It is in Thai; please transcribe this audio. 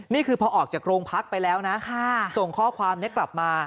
นี่คือพอออกจากโรงพักไปแล้วนะส่งข้อความนี้กลับมา